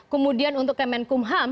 kemudian untuk kemenkumham